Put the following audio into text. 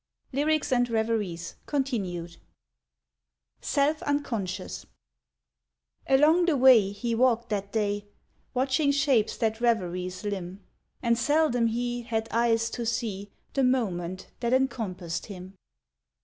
LYRICS AND REVERIES (continued) SELF UNCONSCIOUS ALONG the way He walked that day, Watching shapes that reveries limn, And seldom he Had eyes to see The moment that encompassed him.